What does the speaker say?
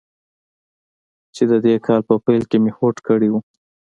چې د دې کال په پیل کې مې هوډ کړی و.